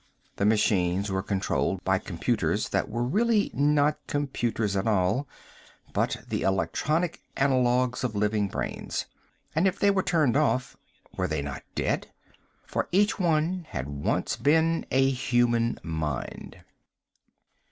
The machines were controlled by computers that were really not computers at all, but the electronic analogues of living brains. And if they were turned off, were they not dead? For each had once been a human mind.